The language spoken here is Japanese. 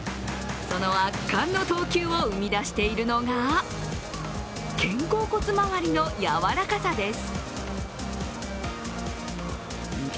その圧巻の投球を生み出しているのが、肩甲骨周りのやわらかさです。